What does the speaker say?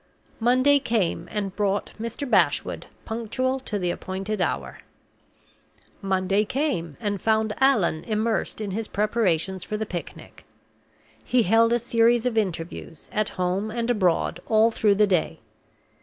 Monday came, and brought Mr. Bashwood, punctual to the appointed hour. Monday came, and found Allan immersed in his preparations for the picnic. He held a series of interviews, at home and abroad, all through the day.